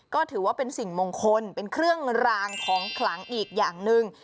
ก็ถือว่าเป็นสิ่งมงคลเป็นเครื่องรางของขลังอีกอย่างหนึ่ง